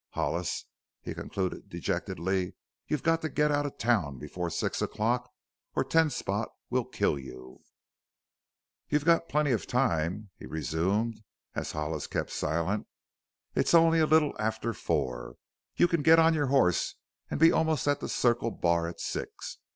Hollis" he concluded dejectedly, "you've got to get out of town before six o'clock or Ten Spot will kill you! "You've got plenty of time," he resumed as Hollis kept silent; "it's only a little after four. You can get on your horse and be almost at the Circle Bar at six.